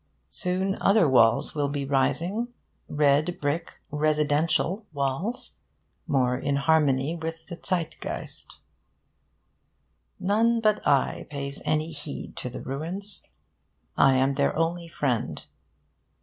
Soon other walls will be rising red brick 'residential' walls, more in harmony with the Zeitgeist. None but I pays any heed to the ruins. I am their only friend.